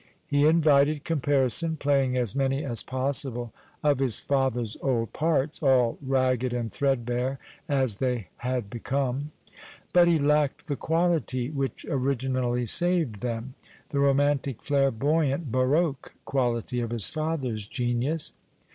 Hi invited coniparison, playing as many as jjossible of his fatlur's old parts, all ragged and threadbare as they 100 PASTICHE AND PREJUDICE had become. But he lacked the quahty which originally saved them, the romantic flamboyant baroque quality of his father's genius.